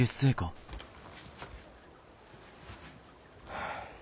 はあ。